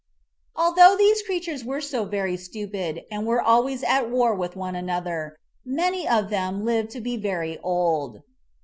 Although these creatures were so very stupid and were always at war with one another, many of them lived to be very old.